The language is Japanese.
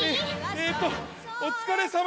えっと「おつかれさま！